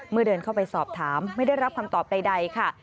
เดินเข้าไปสอบถามไม่ได้รับคำตอบใดค่ะ